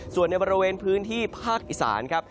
ส่วนในบริเวณพื้นที่ภาคอีสานครับ